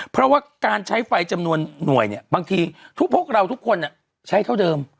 เพราะว่าการใช้ไฟจำนวนหน่วยเนี่ยบางทีทุกพวกเราทุกคนใช้เท่าเดิม